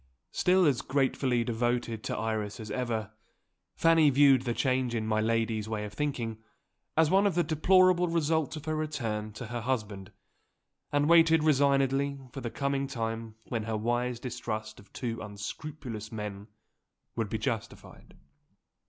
Still as gratefully devoted to Iris as ever, Fanny viewed the change in my lady's way of thinking as one of the deplorable results of her return to her husband, and waited resignedly for the coming time when her wise distrust of two unscrupulous men would be justified.